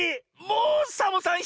もうサボさん